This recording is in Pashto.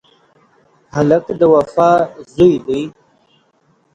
هلک د وفا زوی دی.